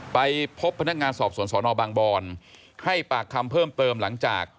ไปพบพนักงานสอบสวนสอนอบางบอนให้ปากคำเพิ่มเติมหลังจาก